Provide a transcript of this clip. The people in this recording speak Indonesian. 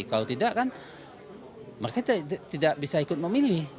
kalau tidak kan mereka tidak bisa ikut memilih